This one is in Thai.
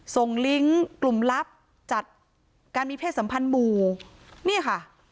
ลิงก์กลุ่มลับจัดการมีเพศสัมพันธ์หมู่เนี่ยค่ะ